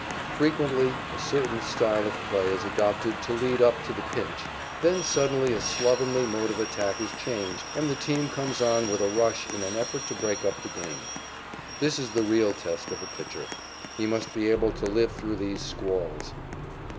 Frequently a certain style of play is adopted to lead up to the pinch, then suddenly a slovenly mode of attack is changed, and the team comes on with a rush in an effort to break up the game. That is the real test of a pitcher. He must be able to live through these squalls.